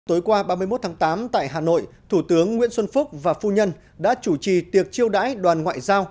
tối qua ba mươi một tháng tám tại hà nội thủ tướng nguyễn xuân phúc và phu nhân đã chủ trì tiệc chiêu đãi đoàn ngoại giao